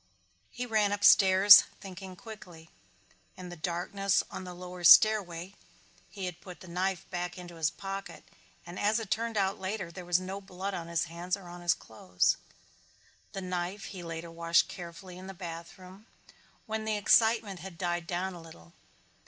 He ran upstairs thinking quickly. In the darkness on the lower stairway he had put the knife back into his pocket and, as it turned out later, there was no blood on his hands or on his clothes. The knife he later washed carefully in the bathroom, when the excitement had died down a little.